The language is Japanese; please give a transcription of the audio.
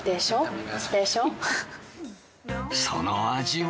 その味は？